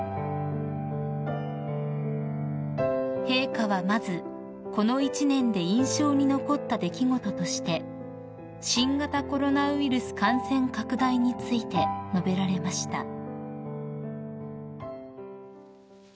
［陛下はまずこの一年で印象に残った出来事として新型コロナウイルス感染拡大について述べられました］